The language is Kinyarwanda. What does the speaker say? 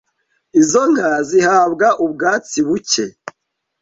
izo nka zihabwa ubwatsi bucye